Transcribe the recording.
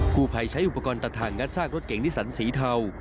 ผู้ภัยใช้อุปกรณ์ตัดทางงัดซากรถเก่งนิสันสีเทา